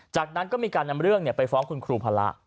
จากนั้นก็มีการนำเรื่องไปฟ้องคุณครูพระ